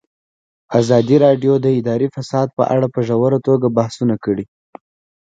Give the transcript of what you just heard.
ازادي راډیو د اداري فساد په اړه په ژوره توګه بحثونه کړي.